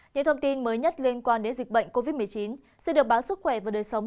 những thông tin mới nhất liên quan đến dịch bệnh covid một mươi chín sẽ được bán sức khỏe và đời sống